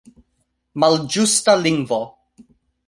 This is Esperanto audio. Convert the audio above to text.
Malĝusta lingvo!